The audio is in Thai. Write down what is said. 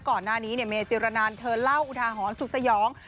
ก่อนหน้านี้เมจิรณานเธอเล่าอุทาหรณ์สุดสยอง